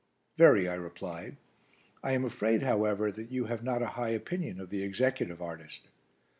"Very," I replied. "I am afraid, however, that you have not a high opinion of the executive artist."